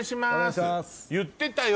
言ってたよ。